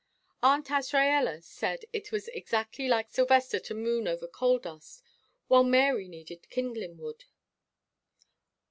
Aunt Azraella said "it was exactly like Sylvester to moon over coal dust while Mary needed kindling wood."